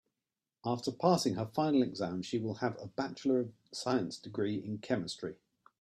After passing her final exam she will have a bachelor of science degree in chemistry.